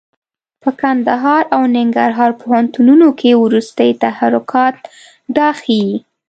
په کندهار او ننګرهار پوهنتونونو کې وروستي تحرکات دا ښيي.